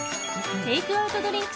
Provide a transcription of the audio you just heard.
テイクアウトドリンク